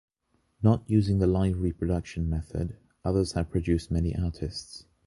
Not using the live reproduction method, others have produced many artists.